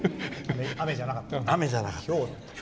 雨じゃなかった。